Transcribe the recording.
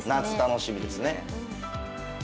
夏楽しみですね。